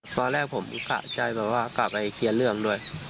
ตอนแรกผมกะใจแบบว่ากลับไปเคลียร์เรื่องด้วย